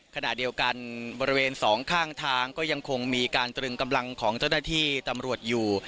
ขณะเดียวกันบริเวณสองข้างทางก็ยังคงมีการตรึงกำลังของเจ้าหน้าที่ตำรวจอยู่